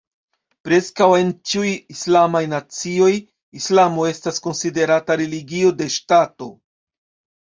Preskaŭ en ĉiuj islamaj nacioj, Islamo estas konsiderata religio de ŝtato.